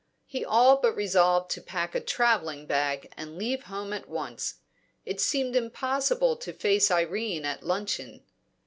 He all but resolved to pack a travelling bag and leave home at once. It seemed impossible to face Irene at luncheon.